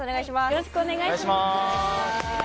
よろしくお願いします。